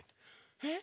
えっ？